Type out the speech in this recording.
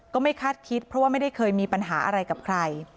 ก็ไม่คาดคิดเพราะว่าไม่ได้เคยมีปัญหาอะไรกับใคร